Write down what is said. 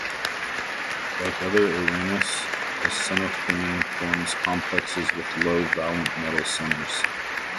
Like other arenes, acenaphthene forms complexes with low valent metal centers.